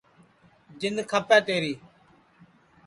جِند کھپے تیری